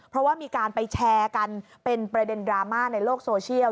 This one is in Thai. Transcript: เพราะว่ามีการไปแชร์กันเป็นประเด็นดราม่าในโลกโซเชียล